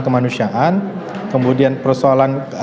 kemanusiaan kemudian persoalan